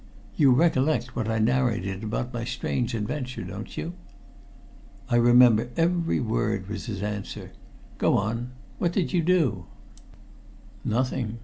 You recollect what I narrated about my strange adventure, don't you?" "I remember every word," was his answer. "Go on. What did you do?" "Nothing.